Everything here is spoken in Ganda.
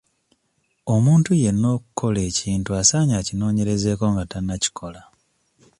Omuntu yenna okukola ekintu asaanye akinoonyerezeeko nga tannakikola.